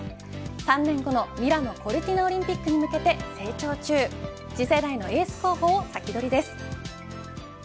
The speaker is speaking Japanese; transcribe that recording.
３年後のミラノ・コルティナオリンピックに向けて成長中次世代のエース候補をサキドリです。